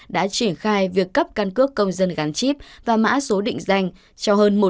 đã triển khai việc cấp căn cước công dân gắn chip và mã số định danh cho hơn một